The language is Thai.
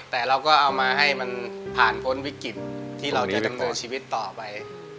แต่เราก็เอามาให้มันผ่านพ้นวิกฤตที่เราจะดำเนินชีวิตต่อไป